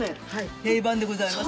定番でございます。